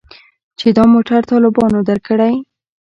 چې دا موټر طالبانو درکړى.